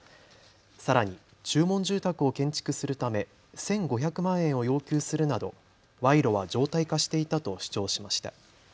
さらに注文住宅を建築するため１５００万円を要求するなど賄賂は常態化していたと主張しました。